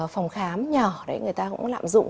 phòng khám nhỏ đấy người ta cũng lạm dụng